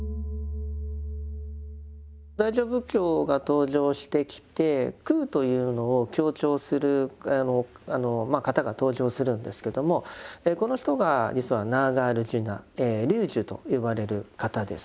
大乗仏教が登場してきて空というのを強調する方が登場するんですけどもこの人が実はナーガールジュナ龍樹と呼ばれる方です。